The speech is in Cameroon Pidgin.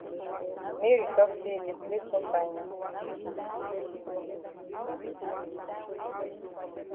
Mary tok say de place no fine yi.